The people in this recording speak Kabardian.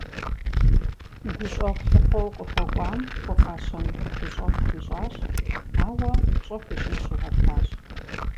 Гущӏэгъу лъыхъуэу къыхуэкӏуам хуэфащэн гущӏэгъу хуищӏащ, ауэ пщӏэ хуищӏын щигъэтащ.